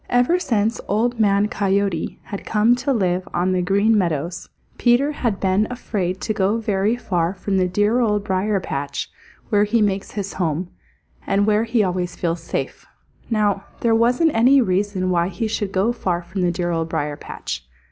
Ever since Old Man Coyote had come to live on the Green Meadows, Peter had been afraid to go very far from the dear Old Briar patch where he makes his home, and where he always feels safe. Now there wasn't any reason why he should go far from the dear Old Briar patch.